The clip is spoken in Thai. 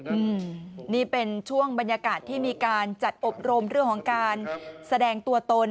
อืมนี่เป็นช่วงบรรยากาศที่มีการจัดอบรมเรื่องของการแสดงตัวตน